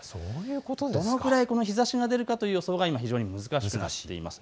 どのくらい日ざしが出るかという予想が非常に難しくなっています。